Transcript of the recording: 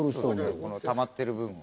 このたまってる部分を。